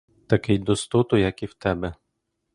Такий достоту, як і в тебе!